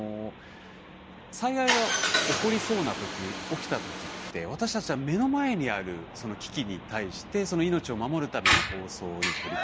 災害が起こりそうなとき起きたときって私たちは目の前にあるその危機に対して命を守るための放送に取り組んでいます。